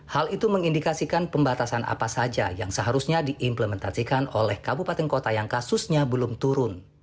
hal itu mengindikasikan pembatasan apa saja yang seharusnya diimplementasikan oleh kabupaten kota yang kasusnya belum turun